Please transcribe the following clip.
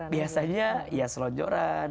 biasanya ya selonjoran